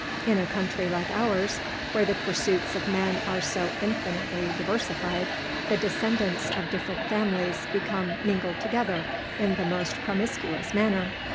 In a country like ours, where the pursuits of men are so infinitely diversified, the descendants of different families become mingled together in the most promiscuous manner.